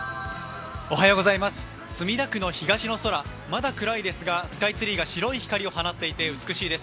墨田区の東の空まだ暗いですが、スカイツリーが白い光を放っていて美しいです。